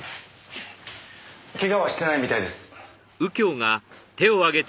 ケガはしてないみたいです。